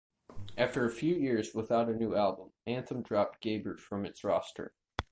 After a few years without a new album, Anthem dropped Gabor from its roster.